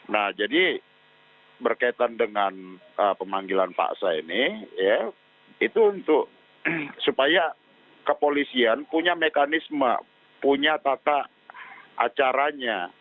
nah jadi berkaitan dengan pemanggilan paksa ini ya itu untuk supaya kepolisian punya mekanisme punya tata acaranya